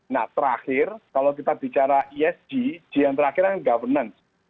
nah terakhir kalau kita bicara esg yang terakhir adalah governance